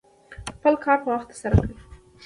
خپل کار په وخت ترسره کړه.